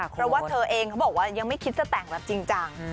เพราะว่าเธอเองเขาบอกว่ายังไม่คิดจะแต่งแบบจริงจัง